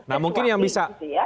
nah mungkin yang bisa